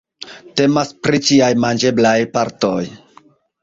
Temas pri ĉiaj manĝeblaj partoj.